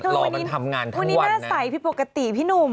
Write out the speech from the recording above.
รอมันทำงานทั้งวันน่ะคุณวันนี้หน้าใสพิภกฤติพี่หนุ่ม